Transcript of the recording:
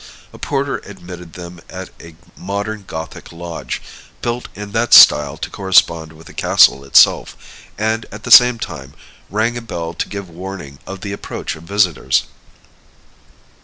A porter admitted them at a modern Gothic lodge, built in that style to correspond with the castle itself, and at the same time rang a bell to give warning of the approach of visitors.